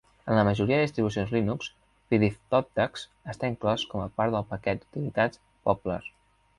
En la majoria de distribucions Linux, pdftotext està inclòs com a part del paquet d'utilitats Poppler.